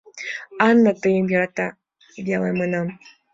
«Ана тыйым йӧрата...» веле манам.